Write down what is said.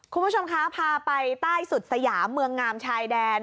คุณผู้ชมคะพาไปใต้สุดสยามเมืองงามชายแดน